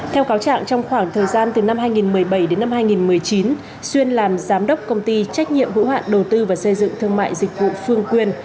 theo cáo trạng trong khoảng thời gian từ năm hai nghìn một mươi bảy đến năm hai nghìn một mươi chín xuyên làm giám đốc công ty trách nhiệm hữu hạn đầu tư và xây dựng thương mại dịch vụ phương quyền